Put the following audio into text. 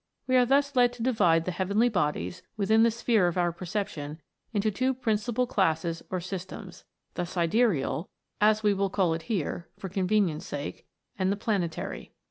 We are thus led to divide the heavenly bodies within the sphere of our perception into two principal classes or systems the sidereal as we will call it here, for convenience' sake and the planetary.